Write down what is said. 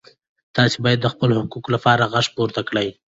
تاسو باید د خپلو حقوقو لپاره غږ پورته کړئ.